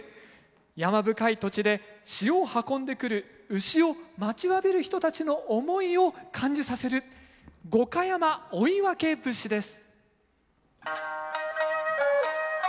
山深い土地で塩を運んでくる牛を待ちわびる人たちの思いを感じさせる「五箇山追分節」です。